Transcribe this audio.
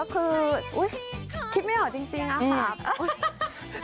คือคิดไม่เดี๋ยวจริงจริง